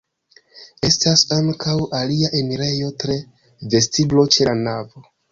Estas ankaŭ alia enirejo tra vestiblo ĉe la navo.